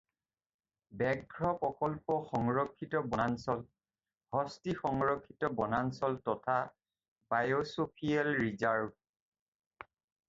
ব্যাঘ্ৰ প্ৰকল্প সংৰক্ষিত বনাঞ্চল, হস্তী সংৰক্ষিত বনাঞ্চল তথা বায়'ছফিয়েৰ ৰিজাৰ্ভ।